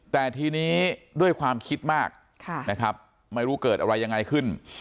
แต่ทีนี้ด้วยความคิดมากนะครับไม่รู้เกิดอะไรยังไงขึ้น